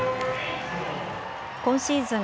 今シーズン